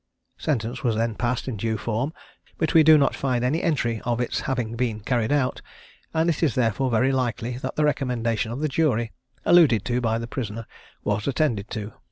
Sentence was then passed in due form, but we do not find any entry of its having been carried out; and it is therefore very likely that the recommendation of the jury, alluded to by the prisoner, was attended to.